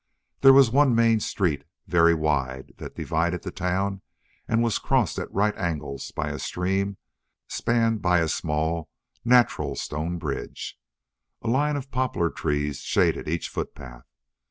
There was one main street, very wide, that divided the town and was crossed at right angles by a stream spanned by a small natural stone bridge. A line of poplar trees shaded each foot path.